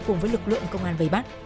cùng với lực lượng công an vầy bắt